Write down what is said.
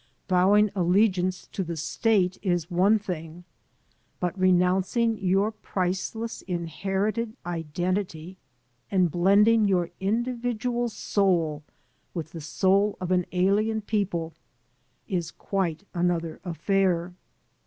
Vowing allegiance to the state is one thing. But renoimcing your priceless inherited identity and blending your individual soul with the soul of an alien people is quite another affair.